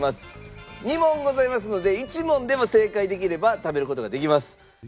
２問ございますので１問でも正解できれば食べる事ができます。